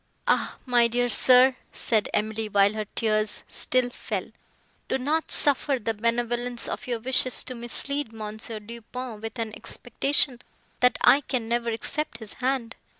"Ah! my dear sir," said Emily, while her tears still fell, "do not suffer the benevolence of your wishes to mislead Mons. Du Pont with an expectation that I can ever accept his hand.